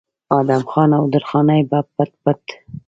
ادم خان او درخانۍ به پټ پټ